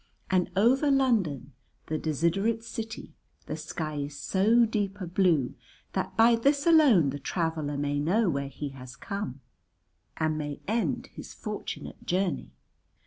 And over London the desiderate city the sky is so deep a blue that by this alone the traveller may know where he has come, and may end his fortunate journey.